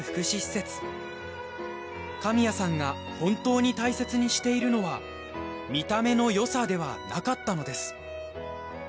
神谷さんが本当に大切にしているのは見た目の良さではなかったのです。